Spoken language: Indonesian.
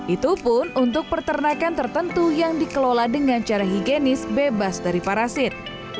itu pun untuk peternakan tertentu yang dikelola dengan cara higienis bebas dari parasit